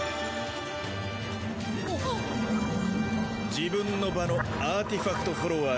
自分の場のアーティファクトフォロワー